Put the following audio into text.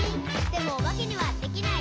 「でもおばけにはできない。」